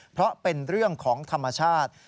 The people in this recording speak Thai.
เพราะเป็นเรื่องของธรรมชาติ